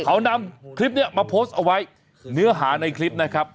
เขานำคลิปนี้มาโพสต์เอาไว้เนื้อหาในคลิปนะครับ